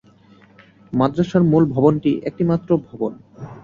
মাদ্রাসার মূল ভবনটি একটি মাত্র ভবন।